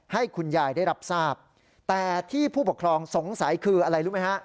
ให้คุณยายได้รับทราบแต่ที่ผู้ปกครองสงสัยคืออะไรรู้ไหมฮะ